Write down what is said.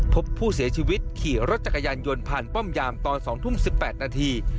พบผู้เสียชีวิตขี่รถจักรยานยนต์ผ่านป้อมยามตอน๒ทุ่ม๑๘นาที